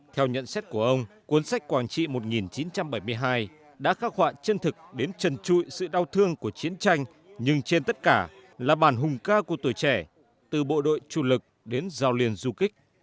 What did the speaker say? theo nhận xét của ông cuốn sách quảng trị một nghìn chín trăm bảy mươi hai đã khắc họa chân thực đến trần trụi sự đau thương của chiến tranh nhưng trên tất cả là bàn hùng ca của tuổi trẻ từ bộ đội chủ lực đến giao liền du kích